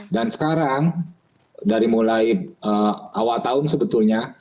dan sekarang dari mulai awal tahun sebetulnya